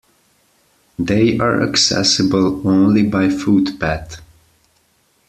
They are accessible only by footpath.